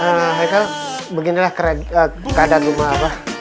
aikal beginilah keadaan rumah abah